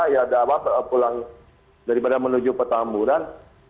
ya dawab pulang daripada menuju petamburan